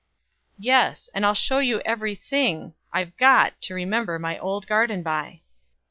"Yes; and I'll show you every thing I've got to remember my old garden by."